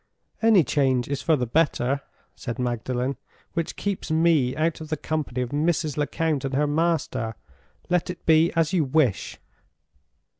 "Any change is for the better," said Magdalen "which keeps me out of the company of Mrs. Lecount and her master! Let it be as you wish."